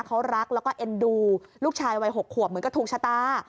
เขารักแล้วก็เอ็นดูลูกชายวัย๖ขวบเหมือนกับถูกชะตา